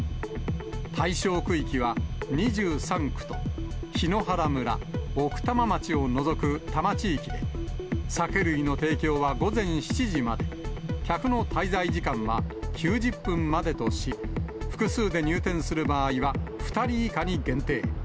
対象区域は２３区と檜原村、奥多摩町を除く多摩地域で、酒類の提供は午前７時まで、客の滞在時間は９０分までとし、複数で入店する場合は２人以下に限定。